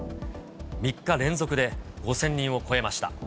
３日連続で５０００人を超えました。